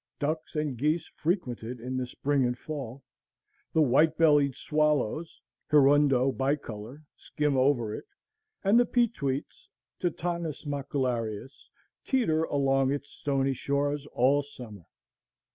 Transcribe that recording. Ducks and geese frequent it in the spring and fall, the white bellied swallows (Hirundo bicolor) skim over it, and the peetweets (Totanus macularius) "teter" along its stony shores all summer.